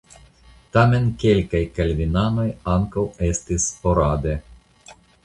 Tamen kelkaj kalvinanoj ankaŭ estis sporade.